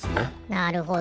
なるほど。